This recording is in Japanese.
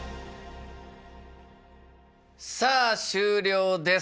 さあ終了です。